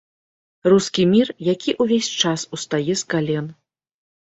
Рускі мір, які увесь час устае з кален.